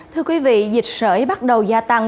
thưa quý vị dịch sở bắt đầu gia tăng